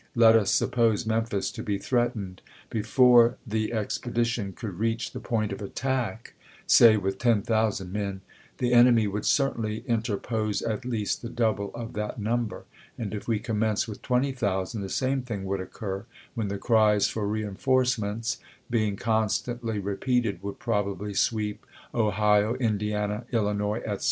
Let us suppose Memphis to be threatened. Before the expedition could reach the point of attack — say with 10,000 men — the enemy would certainly interpose at least the double of that number; and if we commence with 20,000 the same thing would occur, when the cries for reenforcements, being constantly repeated, would probably sweep Ohio, Indiana, Illinois, etc.